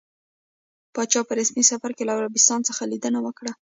پاچا په رسمي سفر له عربستان څخه ليدنه وکړه.